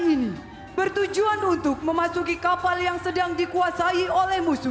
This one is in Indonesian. ini bertujuan untuk memasuki kapal yang sedang dikuasai oleh musuh